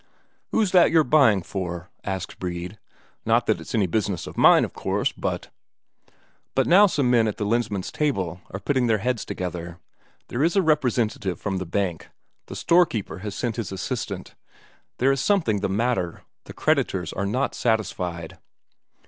"Who's that you buying for?" asks Brede. "Not that it's any business of mine, of course, but...." But now some men at the Lensmand's table are putting their heads together; there is a representative from the Bank, the storekeeper has sent his assistant; there is something the matter; the creditors are not satisfied.